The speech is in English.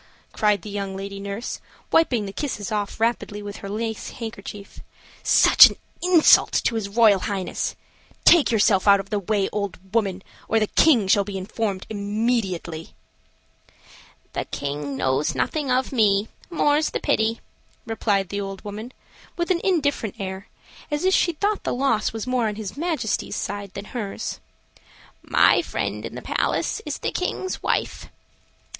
cried the young lady nurse, wiping the kisses off rapidly with her lace handkerchief. "Such an insult to his Royal Highness! Take yourself out of the way, old woman, or the King shall be informed immediately." "The King knows nothing of me, more's the pity," replied the old woman, with an indifferent air, as if she thought the loss was more on his Majesty's side than hers. "My friend in the palace is the King's wife."